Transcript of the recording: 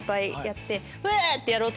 って